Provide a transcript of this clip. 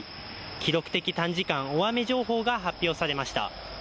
記録的短時間大雨情報が発表されました、